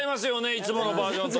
いつものバージョンと。